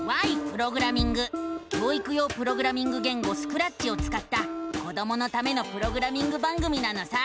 教育用プログラミング言語「スクラッチ」をつかった子どものためのプログラミング番組なのさ！